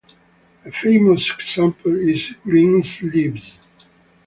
A famous example is "Greensleeves".